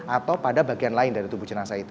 atau pada bagian lain dari tubuh jenazah itu